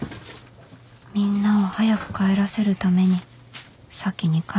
みんなを早く帰らせるために先に帰るふりして